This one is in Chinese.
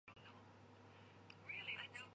在建设当时成巽阁名为巽御殿。